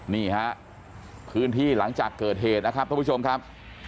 นี่ฮะพื้นที่หลังจากเกิดเหตุนะครับท่านผู้ชมครับ